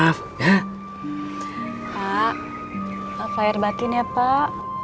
maaf lahir batin ya pak